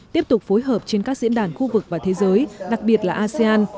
tiếp tục phối hợp trên các diễn đàn khu vực và thế giới đặc biệt là asean